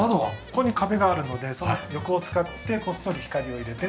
ここに壁があるのでその横を使ってこっそり光を入れて。